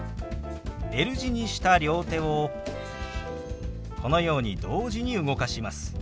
Ｌ字にした両手をこのように同時に動かします。